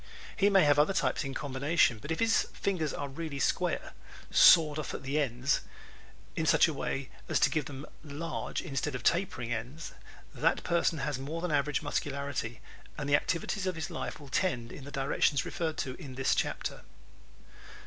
He may have other types in combination but if his fingers are really square "sawed off at the ends" in such a way as to give them large instead of tapering ends that person has more than average muscularity and the activities of his life will tend in the directions referred to in this chapter.